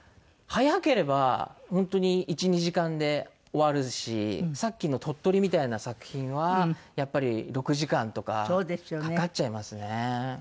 早ければ本当に１２時間で終わるしさっきの『鳥取』みたいな作品はやっぱり６時間とかかかっちゃいますね。